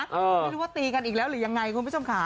ไม่รู้ว่าตีกันอีกแล้วหรือยังไงคุณผู้ชมค่ะ